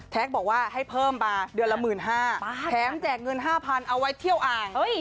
แท็กบอกว่าให้เพิ่มป่าเดือนละหมื่นห้าแถมแจกเงินห้าพันเอาไว้เที่ยวอ่าง